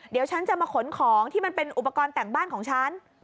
เดี๋ยวฉันจะมาขนของที่มันเป็นอุปกรณ์แต่งบ้านของฉัน